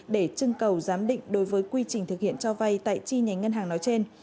để trưng cầu giám định đối với quy trình thực hiện cho vay tại chi nhánh ngân hàng nói trên